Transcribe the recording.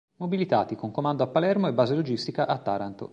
Mobilitati, con comando a Palermo e base logistica a Taranto.